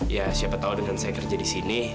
ya siapa tahu dengan saya kerja di sini